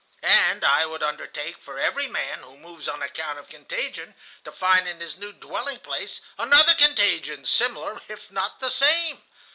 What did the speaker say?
"And I would undertake, for every man who moves on account of contagion, to find in his new dwelling place another contagion similar, if not the same.